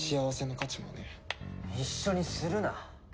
一緒にするな。